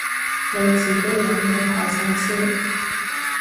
你自己有冇睇晒先